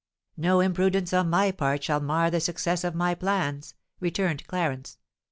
"No imprudence on my part shall mar the success of my plans," returned Clarence.